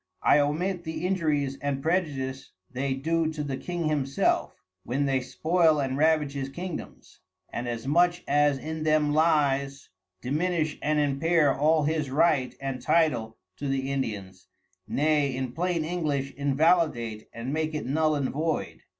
I omit the injuries and prejudice they do to the King himself, when they spoil and ravage his Kingdoms, and as much as in them lies, diminish and impair all his Right and Title to the Indians, nay in plain English invalidate and make it null and void.